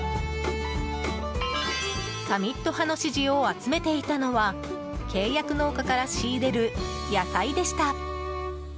サミット派の支持を集めていたのは契約農家から仕入れる野菜でした。